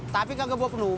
tapi kagak bawa penumpang